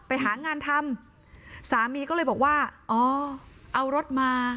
ไปหางานทำสามีก็เลยบอกว่าอ๋อเอารถมา